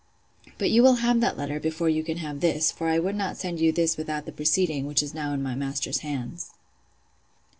—But you will have that letter, before you can have this; for I would not send you this without the preceding; which now is in my master's hands.